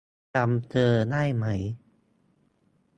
จำเธอได้ไหม ?